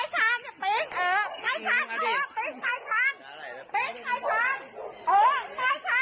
หลายเปล่า